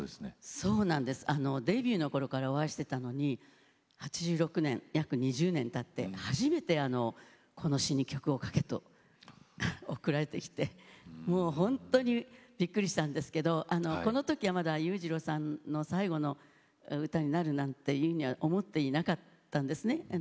そうなんですデビューのころからお会いしていたのに、８６年約２０年たって初めてこの詞に曲を書けと送られてきてもう本当にびっくりしたんですけどこのときはまだ裕次郎さんの最後の歌になるなんて思っていなかったんですね